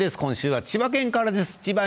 今週は千葉県からです。